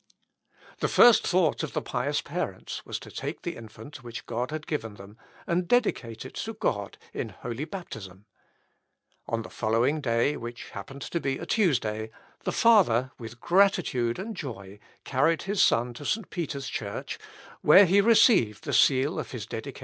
The first thought of the pious parents was to take the infant which God had given them, and dedicate it to God in holy baptism. On the following day, which happened to be a Tuesday, the father, with gratitude and joy, carried his son to St. Peter's church, where he received the seal of his dedication to the Lord.